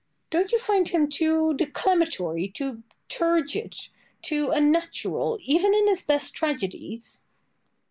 Don't you find him too declamatory, too turgid, too unnatural, even in his best tragedies?